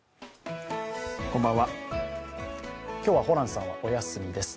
今日はホランさんはお休みです。